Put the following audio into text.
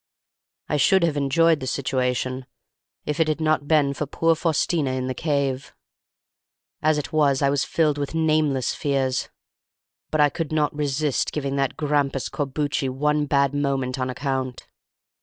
I should have enjoyed the situation if it had not been for poor Faustina in the cave; as it was I was filled with nameless fears. But I could not resist giving that grampus Corbucci one bad moment on account.